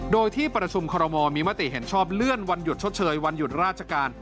โดยที่ประชุมคอรมอลมีมติเห็นชอบเลื่อนวันหยุดชดเชยวันหยุดราชการ